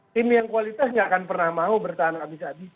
tim yang kualitas gak akan pernah mau bertahan abis abis